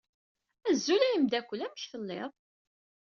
Azul a ameddakel! Amek tellid?